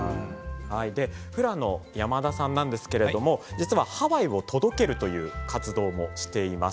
フラの山田さんですがハワイを届けるという活動もしています。